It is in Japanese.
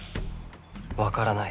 分からない。